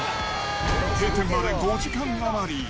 閉店まで５時間余り。